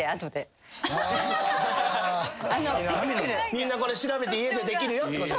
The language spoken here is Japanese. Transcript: みんなこれ調べて家でできるよってこと。